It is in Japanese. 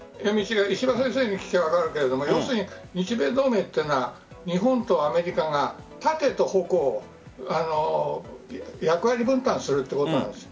石破先生に聞けば分かるけども要するに日米同盟というのは日本とアメリカが盾と矛。役割分担するということなんです。